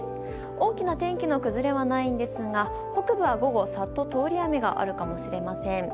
大きな天気の崩れはないんですが北部は午後、サッと通り雨があるかもしれません。